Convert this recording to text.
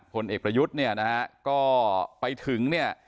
ผลเอกประยุทธ์เนี่ยนะฮะก็ไปถึงเนี่ย